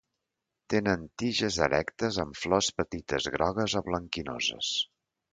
Tenen tiges erectes amb flors petites grogues o blanquinoses.